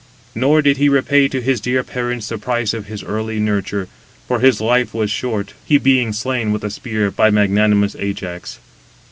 Nor did he repay to his dear parents the price of his early nurture, for his life was short, he being slain with a spear by magnanimous Ajax.